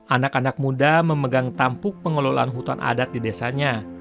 anak anak muda memegang tampuk pengelolaan hutan adat di desanya